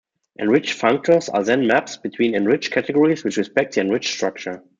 Enriched functors are then maps between enriched categories which respect the enriched structure.